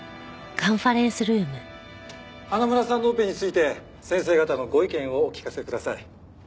花村さんのオペについて先生方のご意見をお聞かせください。